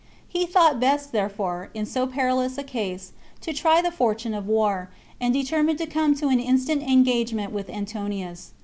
He thought best, therefore, in so perilous a case, to try the fortune of war, and determined to come to an instant engagement with Antonius.